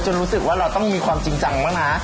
รู้สึกว่าเราต้องมีความจริงจังบ้างนะ